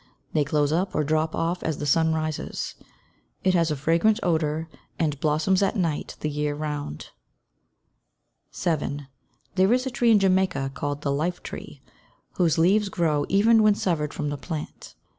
They close up or drop off as the sun rises. It has a fragrant odor, and blossoms at night the year round. 7. There is a tree in Jamaica called the "life tree," whose leaves grow even when severed from the plant.